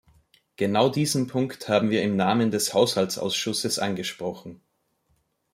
Genau diesen Punkt haben wir im Namen des Haushaltsausschusses angesprochen.